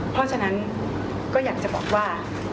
เพราะฉะนั้นก็อยากจะบอกว่า